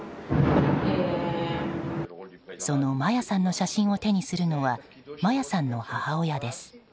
そのマヤさんの写真を手にするのはマヤさんの母親です。